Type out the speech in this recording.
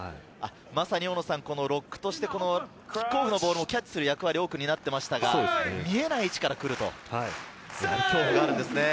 ロックとして、キックオフのボールをキャッチする役割を多く担っていましたが、見えない位置から来るんですね。